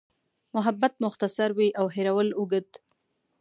محبت مختصر وي او هېرول اوږد.